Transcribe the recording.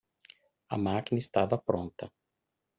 A máquina estava pronta